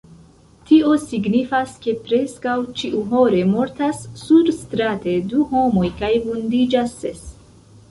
Tio signifas, ke preskaŭ ĉiuhore mortas surstrate du homoj kaj vundiĝas ses.